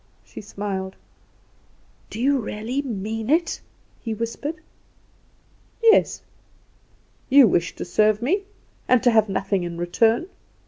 She smiled. "Do you really mean it?" he whispered. "Yes. You wish to serve me, and to have nothing in return!